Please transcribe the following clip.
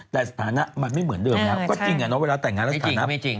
แต่สถานะมันไม่เหมือนเดิมนะเวลาแต่งงานแล้วสถานะไม่จริง